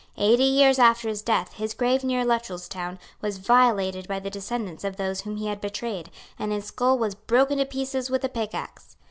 Eighty years after his death his grave near Luttrellstown was violated by the descendants of those whom he had betrayed, and his skull was broken to pieces with a pickaxe.